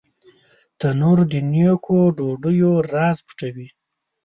تنور د نیکو ډوډیو راز پټوي